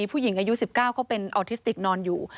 ผู้หญิงอายุ๑๙เขาเป็นออทิสติกนอนอยู่